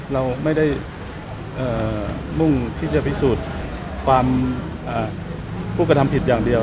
เราไม่ได้มุ่งที่จะพิสูจน์ความผู้กระทำผิดอย่างเดียว